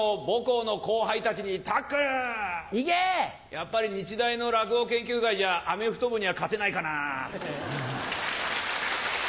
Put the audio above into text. やっぱり日大の落語研究会じゃアメフト部には勝てないかな。